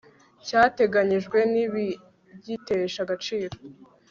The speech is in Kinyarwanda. cyateganyijwe ntibigitesha agaciro